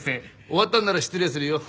終わったのなら失礼するよ。